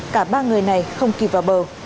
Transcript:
cả ba người này không kịp vào bờ